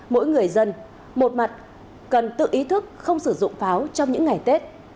mỗi người dân một mặt cần tự ý thức không sử dụng pháo trong những ngày tết